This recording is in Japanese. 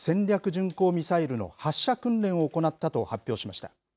巡航ミサイルの発射訓練を行ったと発表しました。